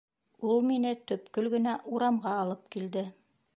Ул мине төпкөл генә урамға алып килде.